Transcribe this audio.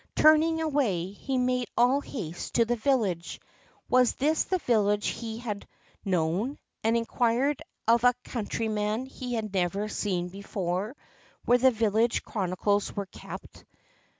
Turning away, he made all haste to the village was this the village he had known ? and inquired of a countryman he had never seen before, where the village chronicles were kept.